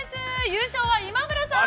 優勝は、今村さん。